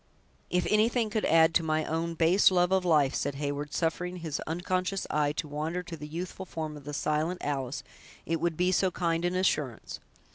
"If anything could add to my own base love of life," said Heyward, suffering his unconscious eyes to wander to the youthful form of the silent Alice, "it would be so kind an assurance.